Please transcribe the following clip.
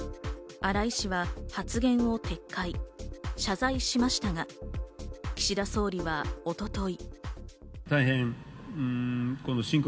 荒井氏は発言を撤回、謝罪しましたが、岸田総理は一昨日。